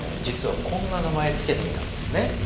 実はこんな名前付けてみたんですね。